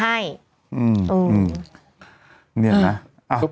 พี่มดเล่นไปเลยนะ